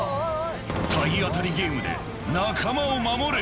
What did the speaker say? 体当たりゲームで仲間を守れ。